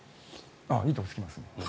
いいところ突きますね。